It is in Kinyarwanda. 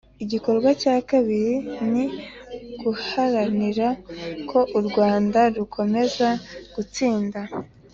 Igikorwa cya kabiri ni uguharanira ko u Rwanda rukomeza gutsinda